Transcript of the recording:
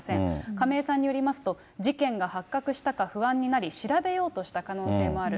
亀井さんによりますと、事件が発覚したか不安になり、調べようとした可能性もある。